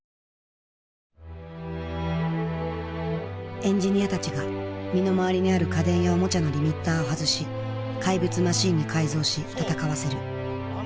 エンジニアたちが身の回りにある家電やおもちゃのリミッターを外し怪物マシンに改造し戦わせる「魔改造の夜」。